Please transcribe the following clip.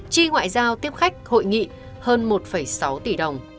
chi ngoại giao tiếp khách hội nghị hơn một sáu tỷ đồng